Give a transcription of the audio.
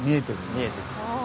見えてきました。